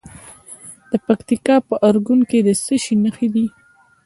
د پکتیکا په ارګون کې د څه شي نښې دي؟